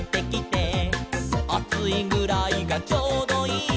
「『あついぐらいがちょうどいい』」